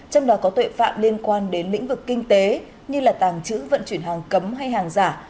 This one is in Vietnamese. trong đó có tuệ phạm liên quan đến lĩnh vực kinh tế như là tàng trữ vận chuyển hàng cấm hay hàng giả